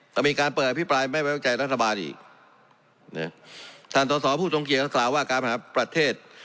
ก็มีการเปิดอภิปรายไม่ไว้วางใจรัฐบาลอีกนะท่านสอสอผู้ทรงเกียจก็กล่าวว่าการหาประเทศ